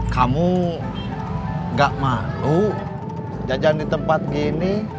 kamu gak mau jajan di tempat gini